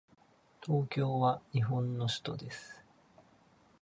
東京は日本の首都です。